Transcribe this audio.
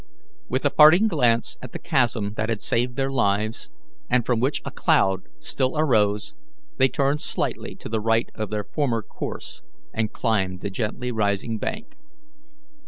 With a parting glance at the chasm that had saved their lives, and from which a cloud still arose, they turned slightly to the right of their former course and climbed the gently rising bank.